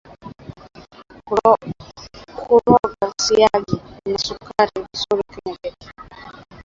Koroga siagi na sukari vizuri kwenye keki